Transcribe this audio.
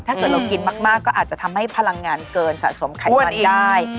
ถ้าเกิดเรากินมากก็อาจจะทำให้พลังงานเกินสะสมไขมันได้